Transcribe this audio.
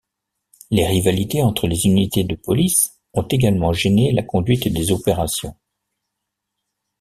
Les rivalités entre les unités de police ont également gêné la conduite des opérations.